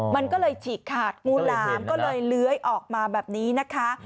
มันก็เลยฉีกขาดงูหลามก็เลยเลื้อยออกมาแบบนี้นะคะ